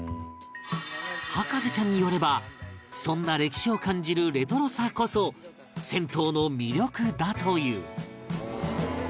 博士ちゃんによればそんな歴史を感じるレトロさこそ銭湯の魅力だという